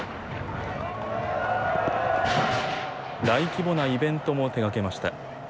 大規模なイベントも手がけました。